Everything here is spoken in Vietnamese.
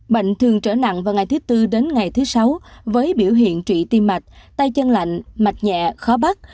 bệnh thường trở nặng vào ngày thứ tư đến ngày thứ sáu với biểu hiện trị tim mạch tay chân lạnh mạch nhẹ khó bắt